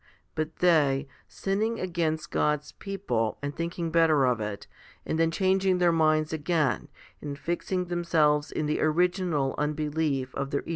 But they, sinning against God's people, and thinking better of it, and then changing their minds again and fixing themselves in the original unbelief of their evi 1 Luke xv.